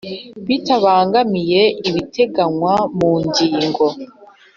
Bitabangamiye ibiteganywa mu ngingo